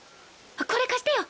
これ貸してよ。